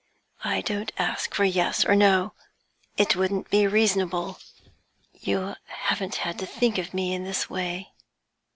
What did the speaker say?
I don't ask for yes or no, it wouldn't be reasonable; you haven't had to think of me in this way.